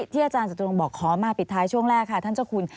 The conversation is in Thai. อาจารย์จตุรงค์บอกขอมาปิดท้ายช่วงแรกค่ะท่านเจ้าคุณ